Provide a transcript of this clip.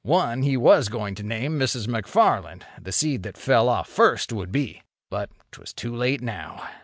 One he was going to name Mrs. McFarland. The seed that fell off first would be—but 'twas too late now.